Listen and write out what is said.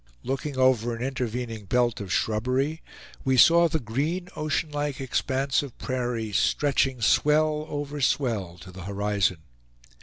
Looking over an intervening belt of shrubbery, we saw the green, oceanlike expanse of prairie, stretching swell over swell to the horizon.